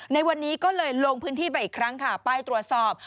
ในวันนี้ก็เลยลงพื้นที่ไปอีกครั้งค่ะไปตรวจสอบ